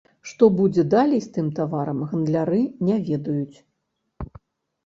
Што будзе далей з тым таварам, гандляры не ведаюць.